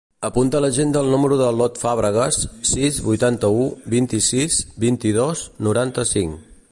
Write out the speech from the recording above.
Apunta a l'agenda el número de l'Ot Fabregas: sis, vuitanta-u, vint-i-sis, vint-i-dos, noranta-cinc.